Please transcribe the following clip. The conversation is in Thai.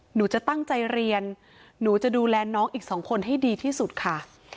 หนูจะตั้งใจเรียนหนูจะดูแลน้องอีกสองคนให้ดีที่สุดค่ะ